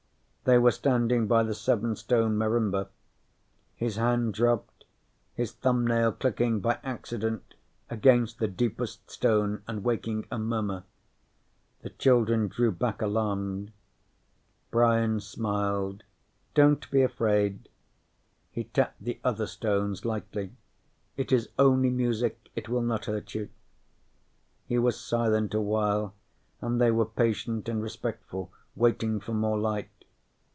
They were standing by the seven stone marimba. His hand dropped, his thumbnail clicking by accident against the deepest stone and waking a murmur. The children drew back alarmed. Brian smiled. "Don't be afraid." He tapped the other stones lightly. "It is only music. It will not hurt you." He was silent a while, and they were patient and respectful, waiting for more light.